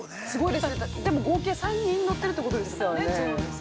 でも合計３人、乗ってるってことですか。